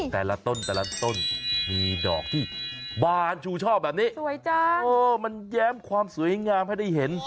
แต่ละต้นมีดอกที่บานชูชอบแบบนี้มันแย้มความสวยงามให้ได้เห็น